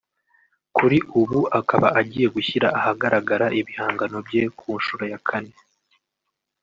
kuri ubu akaba agiye gushyira ahagaragara ibihangano bye ku nshuro ya kane